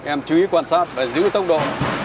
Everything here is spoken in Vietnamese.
em chú ý quan sát và giữ tốc độ